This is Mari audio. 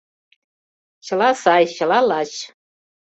Чыла сай, чыла лач.